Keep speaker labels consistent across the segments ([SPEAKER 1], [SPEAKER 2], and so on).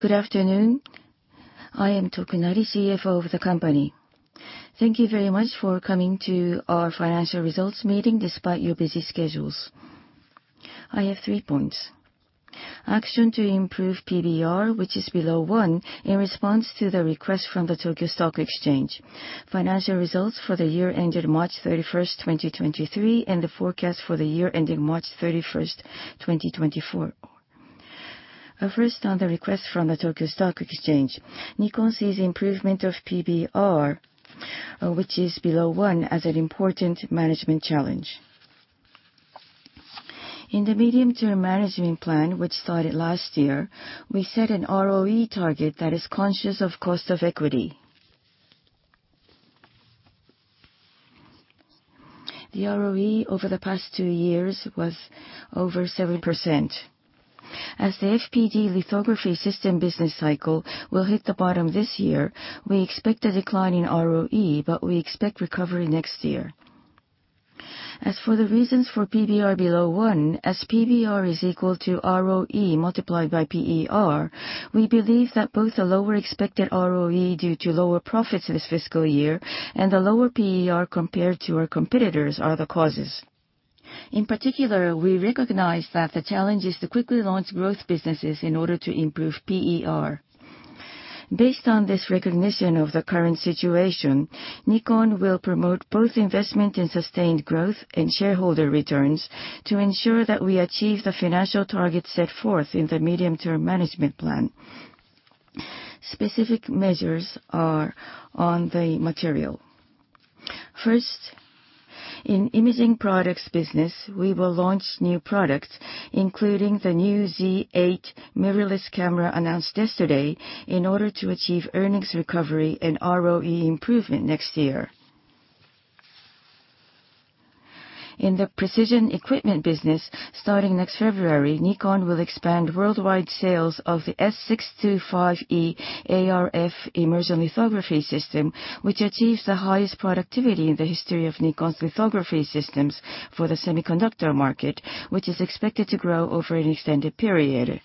[SPEAKER 1] Good afternoon. I am Tokunari, CFO of the company. Thank you very much for coming to our financial results meeting despite your busy schedules. I have three points. Action to improve PBR, which is below 1, in response to the request from the Tokyo Stock Exchange. Financial results for the year ended March 31st, 2023, and the forecast for the year ending March 31st, 2024. First on the request from the Tokyo Stock Exchange. Nikon sees improvement of PBR, which is below 1, as an important management challenge. In the Medium-Term Management Plan, which started last year, we set an ROE target that is conscious of cost of equity. The ROE over the past 2 years was over 7%. As the FPD lithography system business cycle will hit the bottom this year, we expect a decline in ROE, but we expect recovery next year. As for the reasons for PBR below 1, as PBR is equal to ROE multiplied by PER, we believe that both the lower expected ROE due to lower profits this fiscal year and the lower PER compared to our competitors are the causes. In particular, we recognize that the challenge is to quickly launch growth businesses in order to improve PER. Based on this recognition of the current situation, Nikon will promote both investment in sustained growth and shareholder returns to ensure that we achieve the financial targets set forth in the Medium-Term Management Plan. Specific measures are on the material. First, in Imaging Products Business, we will launch new products, including the new Z 8 mirrorless camera announced yesterday, in order to achieve earnings recovery and ROE improvement next year. In the Precision Equipment Business, starting next February, Nikon will expand worldwide sales of the S625E ArF immersion lithography system, which achieves the highest productivity in the history of Nikon's lithography systems for the semiconductor market, which is expected to grow over an extended period.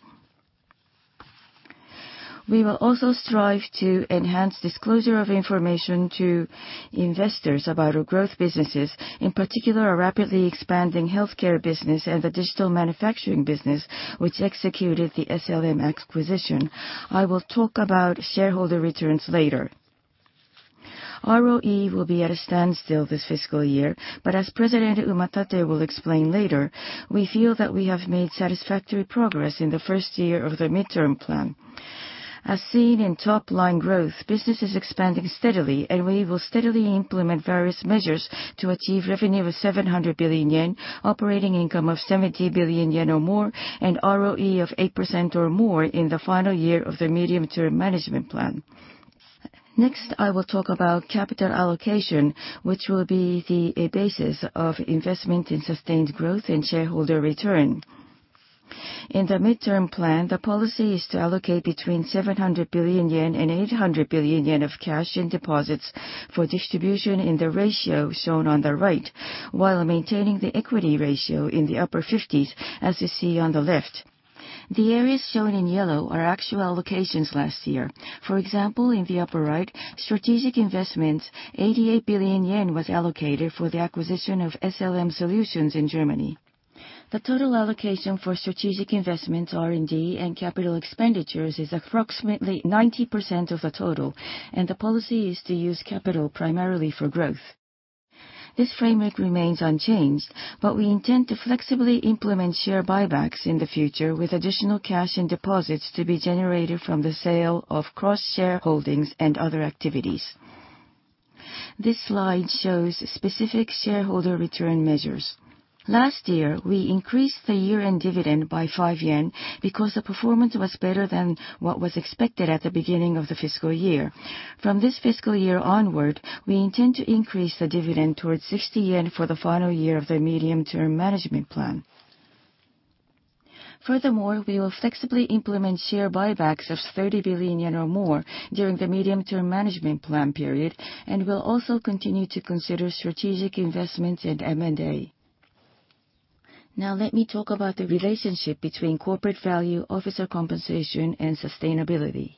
[SPEAKER 1] We will also strive to enhance disclosure of information to investors about our growth businesses, in particular our rapidly expanding healthcare business and the digital manufacturing business, which executed the SLM acquisition. I will talk about shareholder returns later. ROE will be at a standstill this fiscal year. As President Umatate will explain later, we feel that we have made satisfactory progress in the first year of the midterm plan. As seen in top line growth, business is expanding steadily, and we will steadily implement various measures to achieve revenue of 700 billion yen, operating income of 70 billion yen or more, and ROE of 8% or more in the final year of the Medium-Term Management Plan. Next, I will talk about capital allocation, which will be the basis of investment in sustained growth and shareholder return. In the Midterm Plan, the policy is to allocate between 700 billion yen and 800 billion yen of cash and deposits for distribution in the ratio shown on the right, while maintaining the equity ratio in the upper 50s, as you see on the left. The areas shown in yellow are actual allocations last year. For example, in the upper right, strategic investments, 88 billion yen was allocated for the acquisition of SLM Solutions in Germany. The total allocation for strategic investments, R&D, and capital expenditures is approximately 90% of the total, and the policy is to use capital primarily for growth. This framework remains unchanged, but we intend to flexibly implement share buybacks in the future with additional cash and deposits to be generated from the sale of cross-shareholdings and other activities. This slide shows specific shareholder return measures. Last year, we increased the year-end dividend by 5 yen because the performance was better than what was expected at the beginning of the fiscal year. From this fiscal year onward, we intend to increase the dividend towards 60 yen for the final year of the Medium-Term Management Plan. Furthermore, we will flexibly implement share buybacks of 30 billion yen or more during the Medium-Term Management Plan period and will also continue to consider strategic investments in M&A. Let me talk about the relationship between corporate value, officer compensation, and sustainability.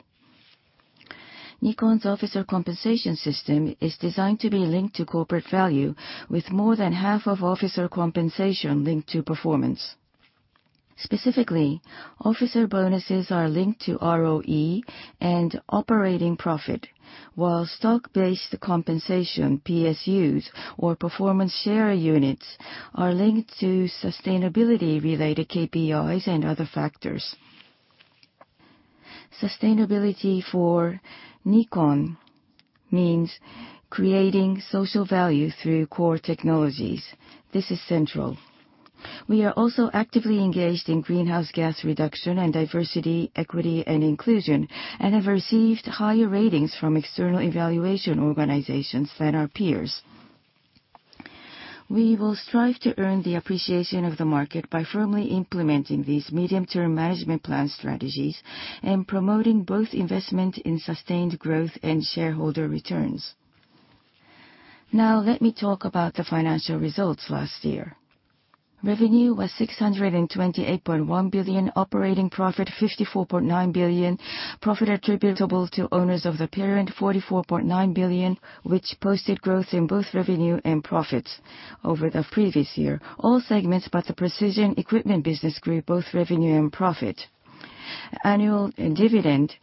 [SPEAKER 1] Nikon's officer compensation system is designed to be linked to corporate value with more than half of officer compensation linked to performance. Specifically, officer bonuses are linked to ROE and operating profit, while stock-based compensation, PSUs, or Performance Share Units, are linked to sustainability-related KPIs and other factors. Sustainability for Nikon means creating social value through core technologies. This is central. We are also actively engaged in greenhouse gas reduction and diversity, equity, and inclusion, and have received higher ratings from external evaluation organizations than our peers. We will strive to earn the appreciation of the market by firmly implementing these Medium-Term Management Plan strategies and promoting both investment in sustained growth and shareholder returns. Let me talk about the financial results last year. Revenue was 628.1 billion. Operating profit, 54.9 billion. Profit attributable to owners of the period, 44.9 billion, which posted growth in both revenue and profits over the previous year. All segments but the Precision Equipment Business grew both revenue and profit. Annual dividend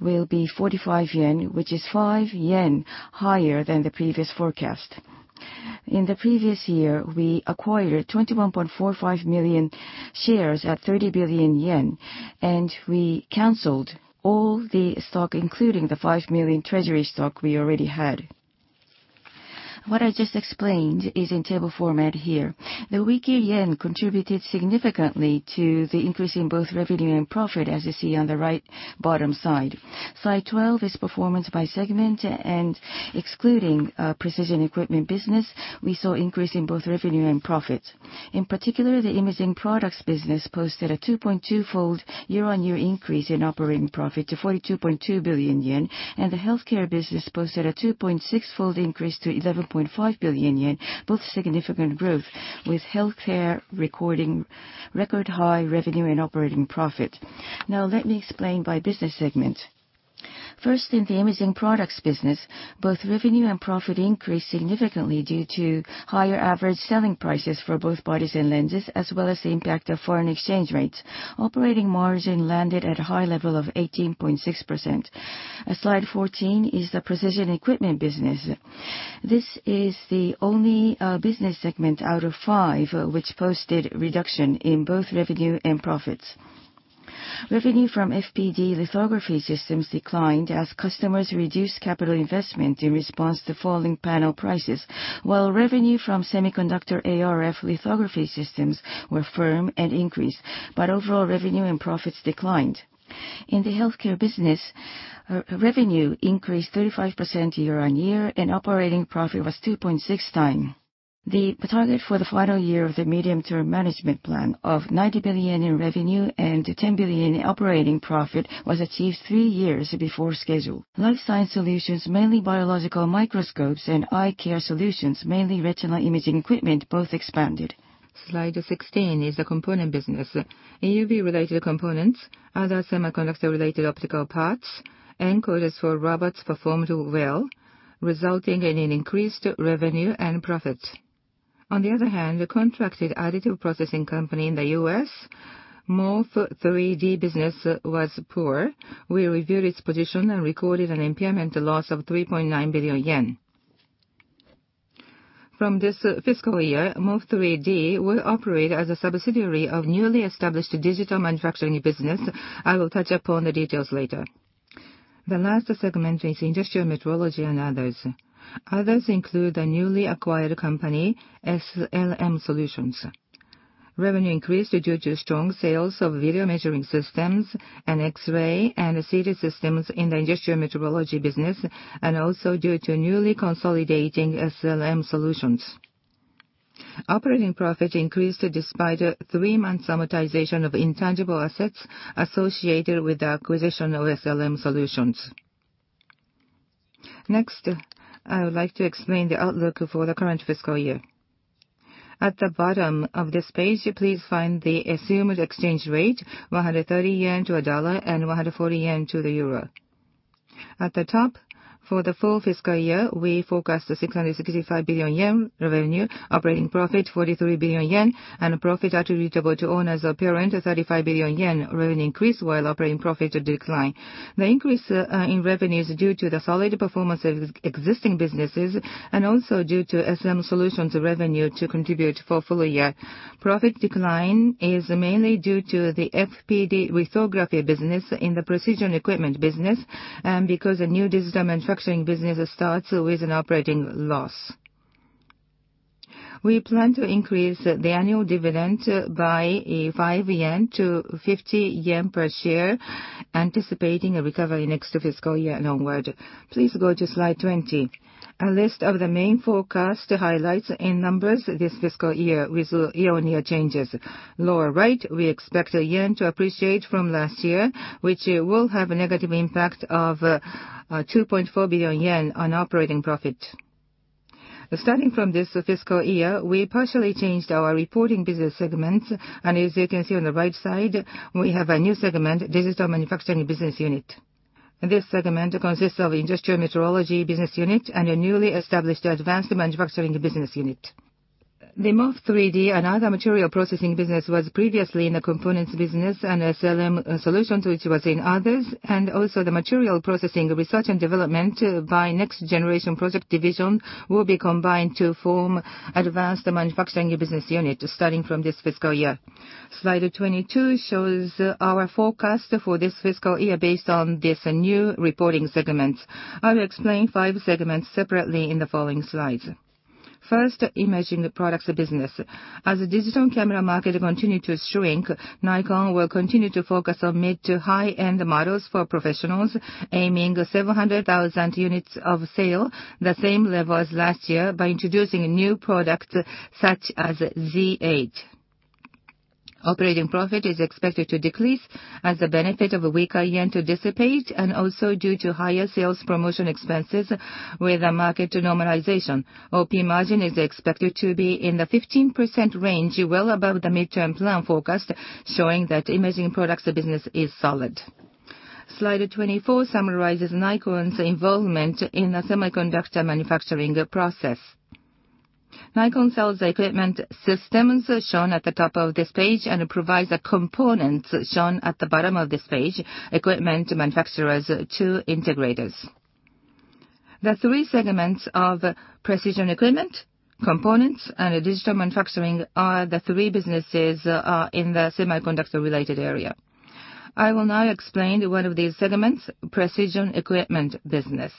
[SPEAKER 1] will be 45 yen, which is 5 yen higher than the previous forecast. In the previous year, we acquired 21.45 million shares at 30 billion yen, and we canceled all the stock, including the 5 million treasury stock we already had. What I just explained is in table format here. The weaker yen contributed significantly to the increase in both revenue and profit, as you see on the right bottom side. Slide 12 is performance by segment. Excluding Precision Equipment Business, we saw increase in both revenue and profit. In particular, the Imaging Products Business posted a 2.2-fold year-on-year increase in operating profit to 42.2 billion yen, and the Healthcare Business posted a 2.6-fold increase to 11.5 billion yen, both significant growth, with Healthcare recording record high revenue and operating profit. Let me explain by business segment. First, in the Imaging Products Business, both revenue and profit increased significantly due to higher average selling prices for both parties and lenses, as well as the impact of foreign exchange rates. Operating margin landed at a high level of 18.6%. Slide 14 is the Precision Equipment Business. This is the only business segment out of 5 which posted reduction in both revenue and profits. Revenue from FPD lithography systems declined as customers reduced capital investment in response to falling panel prices, while revenue from semiconductor ArF lithography systems were firm and increased, but overall revenue and profits declined. In the healthcare business, revenue increased 35% year-over-year, and operating profit was 2.6 times. The target for the final year of the Medium-Term Management Plan of 90 billion in revenue and 10 billion in operating profit was achieved three years before schedule. Life Science solutions, mainly biological microscopes, and Eye Care Solutions, mainly retinal imaging equipment, both expanded. Slide 16 is the component business. EUV-related components, other semiconductor-related optical parts, encoders for robots performed well, resulting in an increased revenue and profit. On the other hand, the contracted additive processing company in the US, Morf3D business, was poor. We reviewed its position and recorded an impairment loss of 3.9 billion yen. From this fiscal year, Morf3D will operate as a subsidiary of newly established Digital Manufacturing Business Unit. I will touch upon the details later. The last segment is industrial metrology and others. Others include the newly acquired company, SLM Solutions. Revenue increased due to strong sales of video measuring systems and X-ray and CT systems in the Industrial Metrology Business Unit, and also due to newly consolidating SLM Solutions. Operating profit increased despite a three-month amortization of intangible assets associated with the acquisition of SLM Solutions. Next, I would like to explain the outlook for the current fiscal year. At the bottom of this page, please find the assumed exchange rate, 130 yen to a USD, and JPY 140 to the EUR. At the top, for the full fiscal year, we forecast 665 billion yen revenue, operating profit 43 billion yen, and profit attributable to owners of parent, 35 billion yen revenue increase while operating profit decline. The increase in revenue is due to the solid performance of existing businesses and also due to SLM Solutions revenue to contribute for full year. Profit decline is mainly due to the FPD Lithography Business in the Precision Equipment Business and because the new Digital Manufacturing Business starts with an operating loss. We plan to increase the annual dividend by 5 yen to 50 yen per share, anticipating a recovery next fiscal year onward. Please go to slide 20. A list of the main forecast highlights in numbers this fiscal year with year-on-year changes. Lower right, we expect the yen to appreciate from last year, which will have a negative impact of 2.4 billion yen on operating profit. Starting from this fiscal year, we partially changed our reporting business segments, as you can see on the right side, we have a new segment, Digital Manufacturing Business Unit. This segment consists of Industrial Metrology Business Unit and a newly established Advanced Manufacturing Business Unit. The Morf3D and other material processing business was previously in the components business, SLM Solutions, which was in others, and also the material processing research and development by Next Generation Project Division will be combined to form Advanced Manufacturing Business Unit starting from this fiscal year. Slide 22 shows our forecast for this fiscal year based on this new reporting segments. I will explain five segments separately in the following slides. First, Imaging Products Business. As the digital camera market continue to shrink, Nikon will continue to focus on mid- to high-end models for professionals, aiming 700,000 units of sale, the same level as last year, by introducing new products such as Z 8. Operating profit is expected to decrease as the benefit of a weaker yen to dissipate and also due to higher sales promotion expenses with the market to normalization. OP margin is expected to be in the 15% range, well above the midterm plan forecast, showing that Imaging Products Business is solid. Slide 24 summarizes Nikon's involvement in the semiconductor manufacturing process. Nikon sells equipment systems as shown at the top of this page, and it provides the components shown at the bottom of this page, equipment manufacturers to integrators. The three segments of Precision Equipment, components, and Digital Manufacturing are the three businesses in the semiconductor-related area. I will now explain one of these segments, Precision Equipment Business.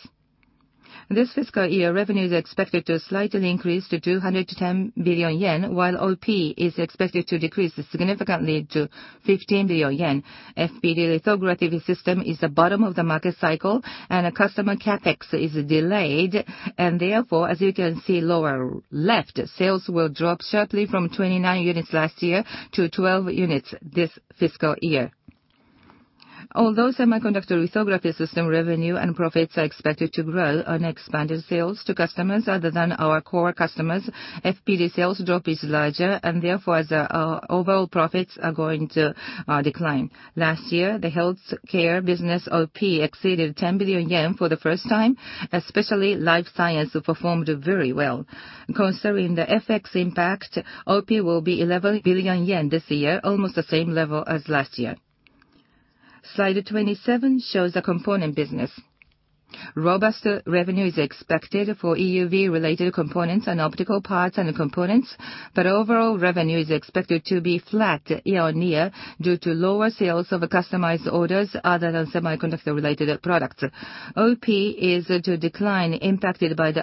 [SPEAKER 1] This fiscal year, revenue is expected to slightly increase to 210 billion yen, while OP is expected to decrease significantly to 15 billion yen. FPD lithography system is the bottom of the market cycle, and customer CapEx is delayed. Therefore, as you can see lower left, sales will drop sharply from 29 units last year to 12 units this fiscal year. Although semiconductor lithography system revenue and profits are expected to grow on expanded sales to customers other than our core customers, FPD sales drop is larger, and therefore, the overall profits are going to decline. Last year, the healthcare business OP exceeded 10 billion yen for the first time, especially life science performed very well. Considering the FX impact, OP will be 11 billion yen this year, almost the same level as last year. Slide 27 shows the component business. Robust revenue is expected for EUV-related components and optical parts and components, but overall revenue is expected to be flat year-on-year due to lower sales of customized orders other than semiconductor-related products. OP is to decline impacted by the.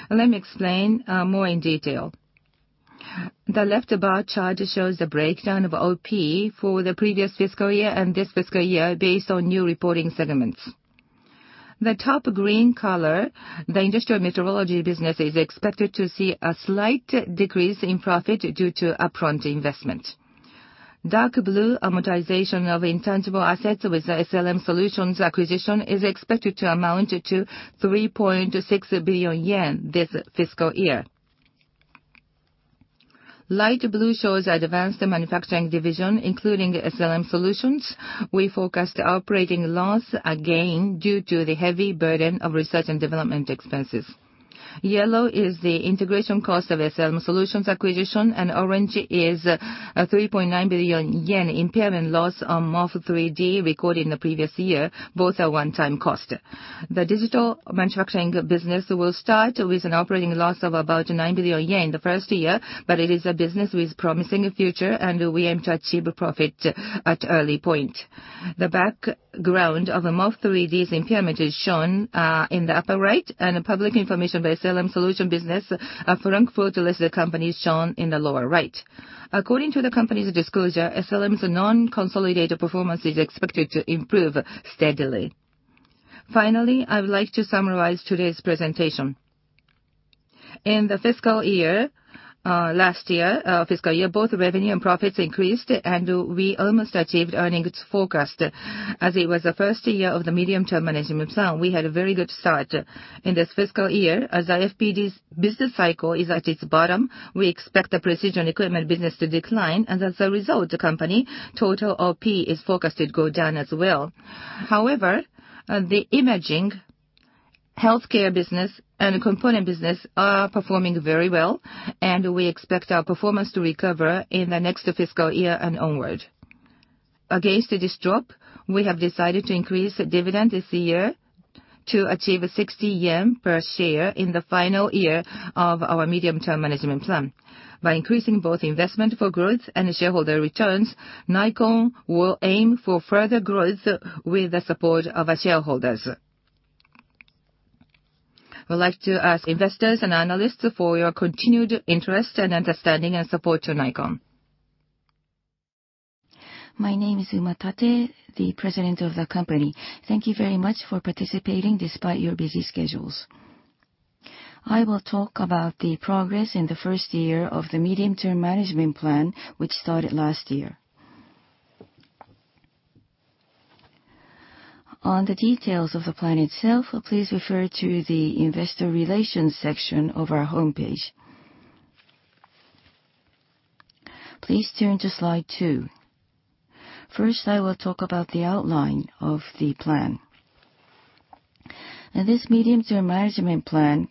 [SPEAKER 1] This Medium-Term Management Plan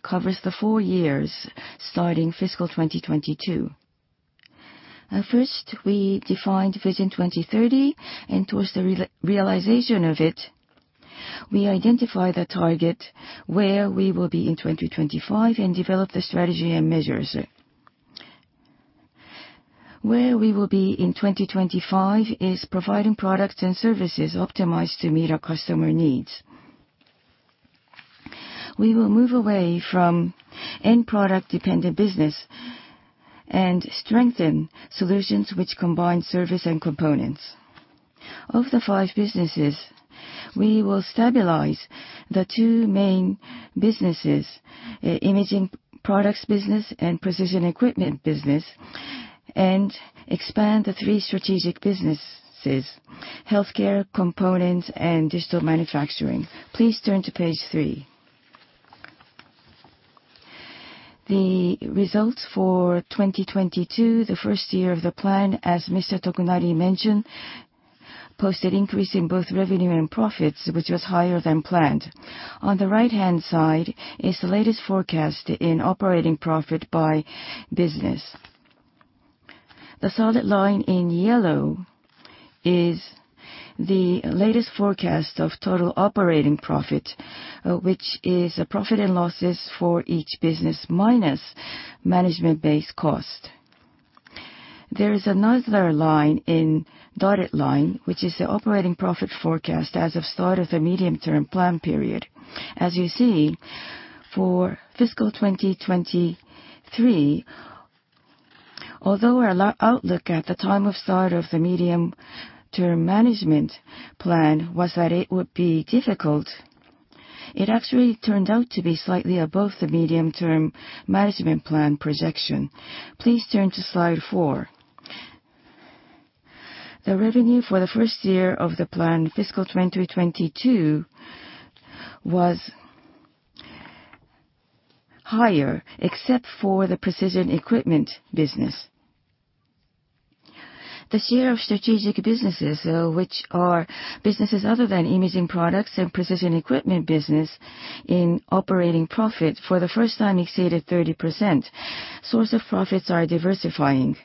[SPEAKER 1] covers the 4 years starting fiscal 2022. First, we defined Vision 2030, and towards the re-realization of it, we identify the target where we will be in 2025 and develop the strategy and measures. Where we will be in 2025 is providing products and services optimized to meet our customer needs. We will move away from end product dependent business and strengthen solutions which combine service and components. Of the 5 businesses, we will stabilize the 2 main businesses, Imaging Products Business and Precision Equipment Business, and expand the 3 strategic businesses: healthcare, components, and Digital Manufacturing. Please turn to page 3. The results for 2022, the first year of the plan, as Mr. Tokunari mentioned, posted increase in both revenue and profits, which was higher than planned. On the right-hand side is the latest forecast in operating profit by business. The solid line in yellow is the latest forecast of total operating profit, which is profit and losses for each business minus management base cost. There is another line in dotted line, which is the operating profit forecast as of start of the Medium-Term Management Plan period. As you see, for fiscal 2023, although our outlook at the time of start of the Medium-Term Management Plan was that it would be difficult, it actually turned out to be slightly above the Medium-Term Management Plan projection. Please turn to slide four. The revenue for the first year of the plan, fiscal 2022, was higher except for the Precision Equipment Business. The share of strategic businesses, though, which are businesses other than Imaging Products and Precision Equipment Business in operating profit, for the first time exceeded 30%. Source of profits are diversifying.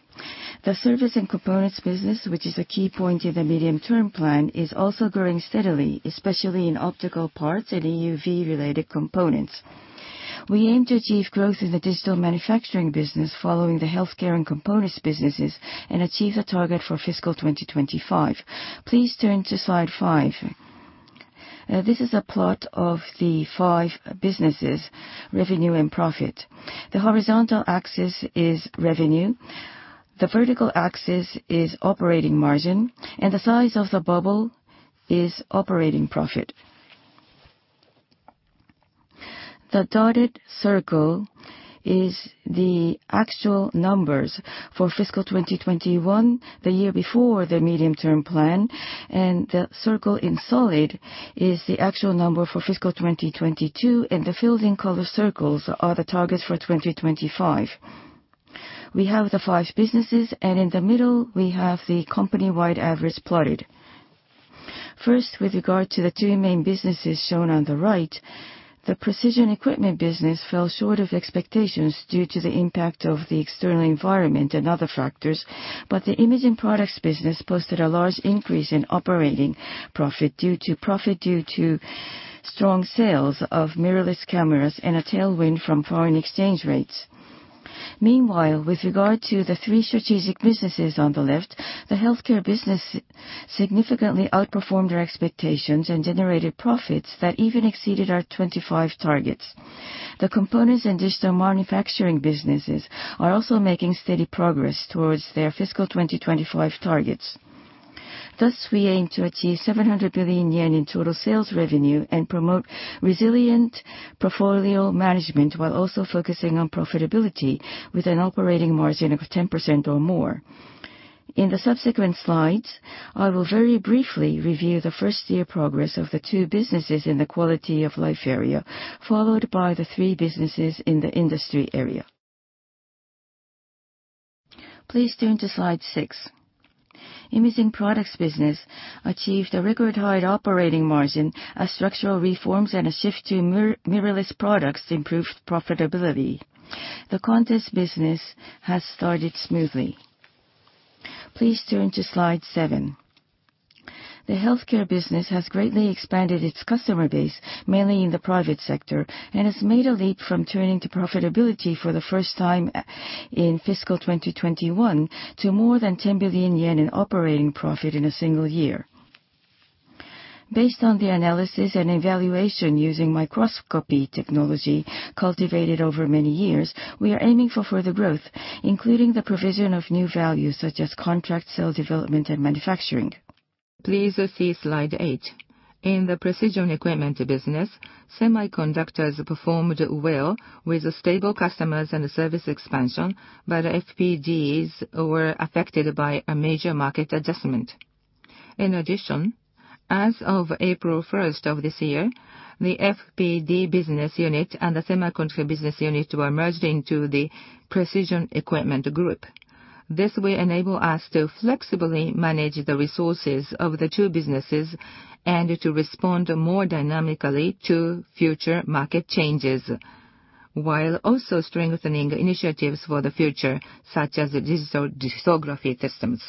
[SPEAKER 1] The service and components business, which is a key point in the Medium-Term Plan, is also growing steadily, especially in optical parts and EUV related components. We aim to achieve growth in the Digital Manufacturing Business following the healthcare and components businesses and achieve the target for fiscal 2025. Please turn to slide 5. This is a plot of the 5 businesses' revenue and profit. The horizontal axis is revenue, the vertical axis is operating margin, and the size of the bubble is operating profit. The dotted circle is the actual numbers for fiscal 2021, the year before the Medium-Term Management Plan, and the circle in solid is the actual number for fiscal 2022, and the fields in color circles are the targets for 2025. We have the five businesses, and in the middle, we have the company-wide average plotted. First, with regard to the two main businesses shown on the right, the Precision Equipment Business fell short of expectations due to the impact of the external environment and other factors. The Imaging Products Business posted a large increase in operating profit due to strong sales of mirrorless cameras and a tailwind from foreign exchange rates. Meanwhile, with regard to the three strategic businesses on the left, the healthcare business significantly outperformed our expectations and generated profits that even exceeded our 25 targets. The components and Digital Manufacturing businesses are also making steady progress towards their fiscal 2025 targets. We aim to achieve 700 billion yen in total sales revenue and promote resilient portfolio management, while also focusing on profitability with an operating margin of 10% or more. In the subsequent slides, I will very briefly review the first year progress of the two businesses in the quality of life area, followed by the three businesses in the industry area. Please turn to slide 6. Imaging Products Business achieved a record high operating margin as structural reforms and a shift to mirrorless products improved profitability. The contents business has started smoothly. Please turn to slide 7. The healthcare business has greatly expanded its customer base, mainly in the private sector, and has made a leap from turning to profitability for the first time, in fiscal 2021 to more than 10 billion yen in operating profit in a single year. Based on the analysis and evaluation using microscopy technology cultivated over many years, we are aiming for further growth, including the provision of new values such as Contract Cell Development and Manufacturing. Please see Slide 8. In the Precision Equipment Business, semiconductors performed well with stable customers and a service expansion, but FPDs were affected by a major market adjustment. In addition, as of April 1st of this year, the FPD Business Unit and the Semiconductor Business Unit were merged into the Precision Equipment Business. This will enable us to flexibly manage the resources of the two businesses and to respond more dynamically to future market changes. Also strengthening initiatives for the future, such as digital lithography systems.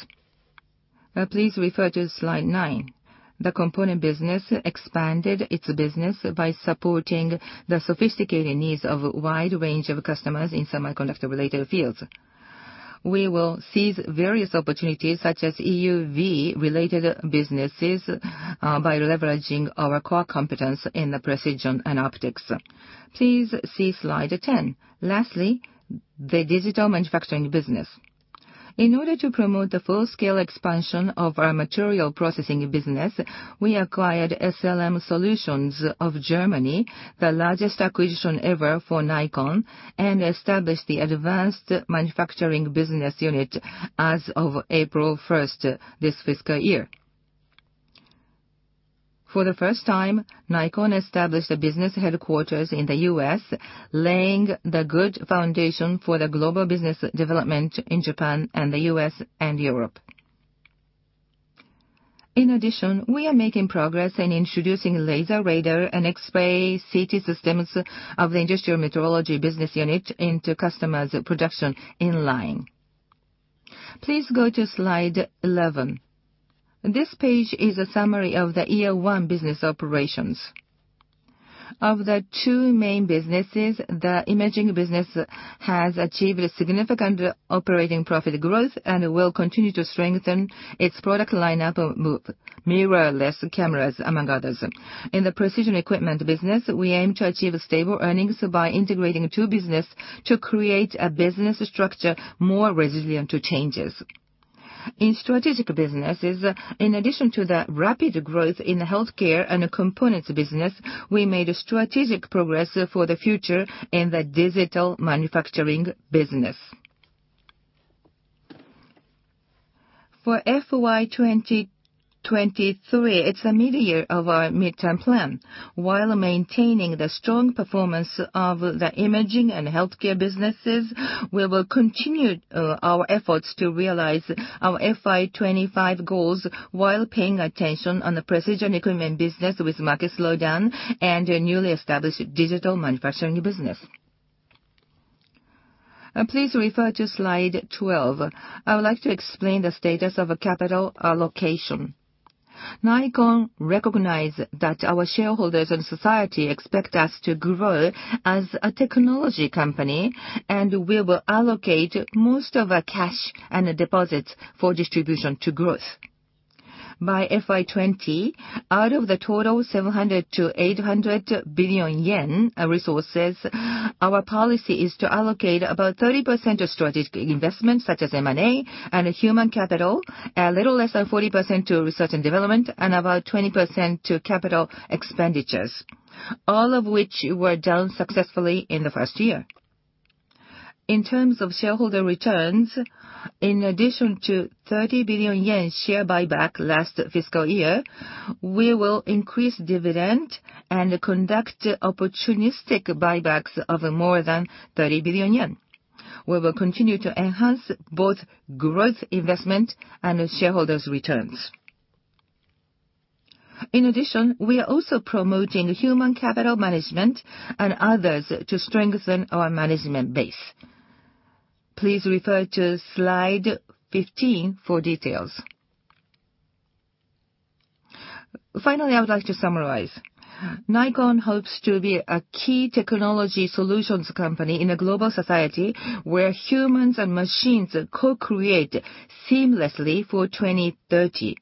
[SPEAKER 1] Please refer to Slide 9. The component business expanded its business by supporting the sophisticated needs of a wide range of customers in semiconductor-related fields. We will seize various opportunities, such as EUV-related businesses, by leveraging our core competence in the precision and optics. Please see Slide 10. Lastly, the Digital Manufacturing Business. In order to promote the full-scale expansion of our material processing business, we acquired SLM Solutions of Germany, the largest acquisition ever for Nikon, and established the Advanced Manufacturing Business Unit as of April first this fiscal year. For the first time, Nikon established a business headquarters in the U.S., laying the good foundation for the global business development in Japan and the U.S. and Europe. We are making progress in introducing Laser Radar and X-ray CT systems of the Industrial Metrology Business Unit into customers' production in line. Please go to Slide 11. This page is a summary of the year 1 business operations. Of the 2 main businesses, the imaging business has achieved a significant operating profit growth and will continue to strengthen its product lineup of mirrorless cameras, among others. In the Precision Equipment Business, we aim to achieve stable earnings by integrating two business to create a business structure more resilient to changes. In strategic businesses, in addition to the rapid growth in the healthcare and the components business, we made a strategic progress for the future in the Digital Manufacturing Business. For FY2023, it's the midyear of our midterm plan. While maintaining the strong performance of the imaging and healthcare businesses, we will continue our efforts to realize our FY25 goals while paying attention on the Precision Equipment Business with market slowdown and a newly established Digital Manufacturing Business. Please refer to Slide 12. I would like to explain the status of a capital allocation. Nikon recognize that our shareholders and society expect us to grow as a technology company, and we will allocate most of our cash and deposits for distribution to growth. By FY20, out of the total 700 billion-800 billion yen resources, our policy is to allocate about 30% to strategic investments such as M&A and human capital, a little less than 40% to research and development, and about 20% to capital expenditures, all of which were done successfully in the first year. In terms of shareholder returns, in addition to 30 billion yen share buyback last fiscal year, we will increase dividend and conduct opportunistic buybacks of more than 30 billion yen. We will continue to enhance both growth investment and shareholders' returns. In addition, we are also promoting human capital management and others to strengthen our management base. Please refer to Slide 15 for details. Finally, I would like to summarize. Nikon hopes to be a key technology solutions company in a global society where humans and machines co-create seamlessly for 2030.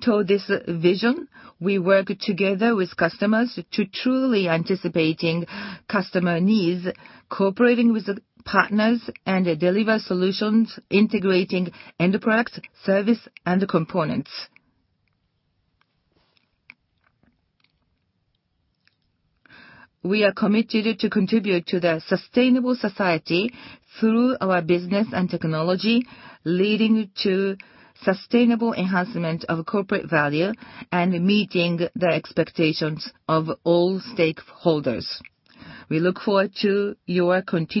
[SPEAKER 1] Toward this vision, we work together with customers to truly anticipating customer needs, cooperating with the partners, and deliver solutions integrating end products, service, and components. We are committed to contribute to the sustainable society through our business and technology, leading to sustainable enhancement of corporate value and meeting the expectations of all stakeholders. We look forward to your continued-